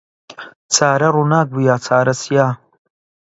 چارە ڕووناک بوو یا چارە سیا